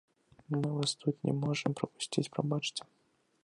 Мы вас тут не можам прапусціць, прабачце.